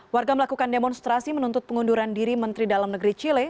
warga melakukan demonstrasi menuntut pengunduran diri menteri dalam negeri chile